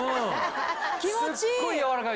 気持ちいい！